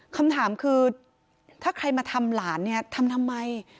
คำถามคือถ้าใครมาทำหลานเนี่ยทำทำไม